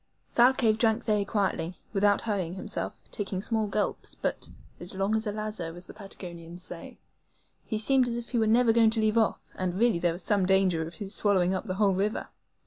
Thalcave drank very quietly, without hurrying himself, taking small gulps, but "as long as a lazo," as the Patagonians say. He seemed as if he were never going to leave off, and really there was some danger of his swallowing up the whole river.